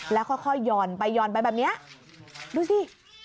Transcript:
แล้วค่อยหย่อนไปห่อนไปแบบนี้ดูสิ